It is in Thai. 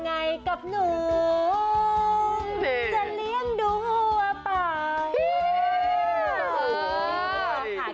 แค่บอกเบาแบบเนี้ย